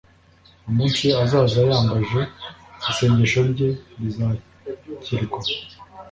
umunsi azaba yambaje, isengesho rye rizakirwa